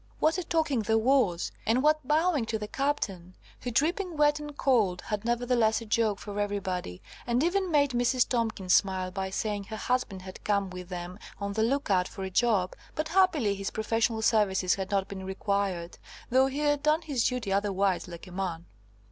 What a talking there was! and what bowing to the Captain, who, dripping wet and cold, had nevertheless a joke for everybody, and even made Mrs. Tomkins smile by saying her husband had come with them on the look out for a job, but happily his professional services had not been required, though he had done his duty otherwise like a man.